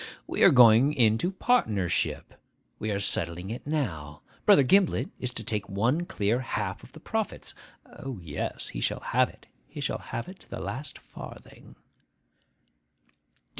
We are going into partnership. We are settling it now. Brother Gimblet is to take one clear half of the profits (O, yes! he shall have it; he shall have it to the last farthing).